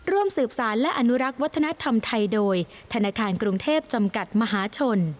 ร่วมสืบสารและอนุรักษ์วัฒนธรรมไทยโดยธนาคารกรุงเทพจำกัดมหาชน